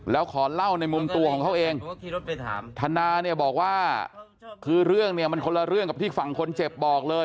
แล้วขอเล่าในมุมตัวของเขาเองธนาเนี่ยบอกว่าคือเรื่องเนี่ยมันคนละเรื่องกับที่ฝั่งคนเจ็บบอกเลย